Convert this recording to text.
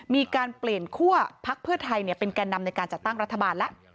มีการเปลี่ยนคั่วพักเพื่อไทยเป็นแก่นำในการจัดตั้งรัฐบาลแล้ว